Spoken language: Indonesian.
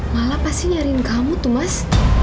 malah pasti nyariin ke kamu tuh mas